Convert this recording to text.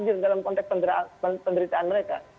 mesti hadir dalam konteks penderitaan mereka